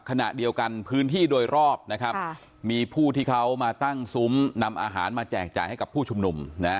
ขณะเดียวกันพื้นที่โดยรอบนะครับมีผู้ที่เขามาตั้งซุ้มนำอาหารมาแจกจ่ายให้กับผู้ชุมนุม